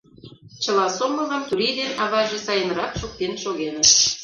Чыла сомылым Турий ден аваже сайынрак шуктен шогеныт.